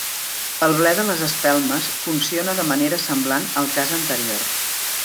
El ble de les espelmes funciona de manera semblant al cas anterior.